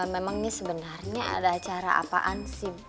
memangnya sebenernya ada cara apaan sih